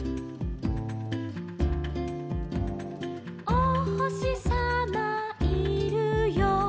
「おほしさまいるよ」